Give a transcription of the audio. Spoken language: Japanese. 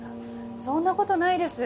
そんな事ないです。